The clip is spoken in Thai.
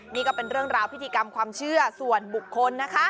นี่ก็เป็นเรื่องราวพิธีกรรมความเชื่อส่วนบุคคลนะคะ